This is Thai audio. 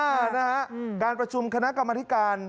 นะฮะการประชุมคณะกรรมธิการ